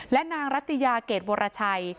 และนางรัตยาเกรดวรชัย